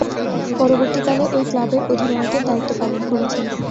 পরবর্তীকালে ঐ ক্লাবের অধিনায়কের দায়িত্ব পালন করেছেন।